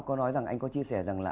có nói rằng anh có chia sẻ rằng là